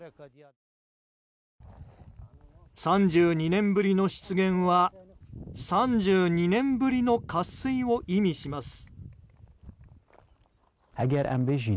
３２年ぶりの出現は３２年ぶりの渇水を意味します。